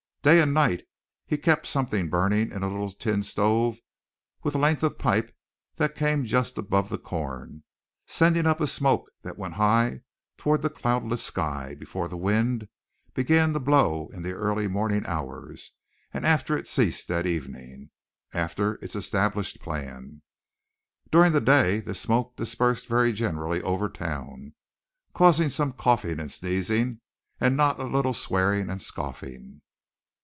Day and night he kept something burning in a little tin stove with a length of pipe that came just above the corn, sending up a smoke that went high toward the cloudless sky before the wind began to blow in the early morning hours, and after it ceased at evening, after its established plan. During the day this smoke dispersed very generally over town, causing some coughing and sneezing, and not a little swearing and scoffing.